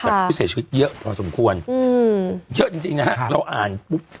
แต่พิเศษชีวิตเยอะพอสมควรอืมเยอะจริงจริงน่ะครับเราอ่านปุ๊บ